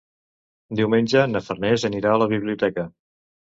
Diumenge na Farners anirà a la biblioteca.